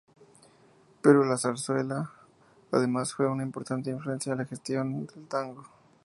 Pero la zarzuela además fue una importante influencia en la gestación del tango.